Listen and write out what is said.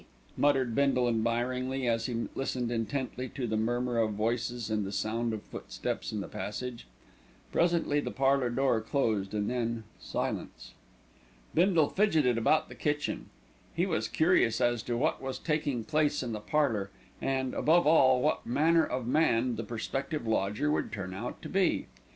muttered Bindle admiringly, as he listened intently to the murmur of voices and the sound of footsteps in the passage. Presently the parlour door closed and then silence. Bindle fidgeted about the kitchen. He was curious as to what was taking place in the parlour and, above all, what manner of man the prospective lodger would turn out to be.